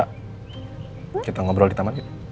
kita ngobrol di taman yuk